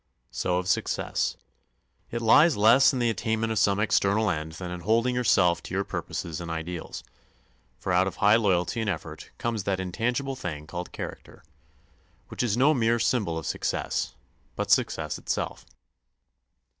So of success. It lies less in the attainment of some external end than in holding yourself to your purposes and ideals; for out of high loyalty and effort comes that intangible thing called character, which is no mere symbol of success, but success itself.